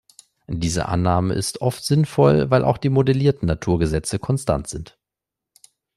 Diese Annahme ist oft sinnvoll, weil auch die modellierten Naturgesetze konstant sind.